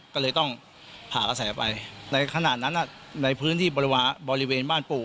ก็เลยต้องผ่ากระแสไปในขณะนั้นในพื้นที่บริเวณบ้านปู่